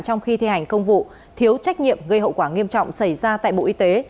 trong khi thi hành công vụ thiếu trách nhiệm gây hậu quả nghiêm trọng xảy ra tại bộ y tế